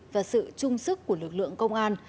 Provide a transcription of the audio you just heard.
và sự trung sức của lực lượng công an